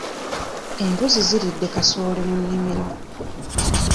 Embuzi ziridde kasooli mu nnimiro.